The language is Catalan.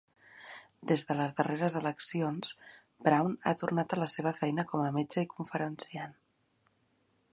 Des de les darreres eleccions, Brown ha tornat a la seva feina com a metge i conferenciant.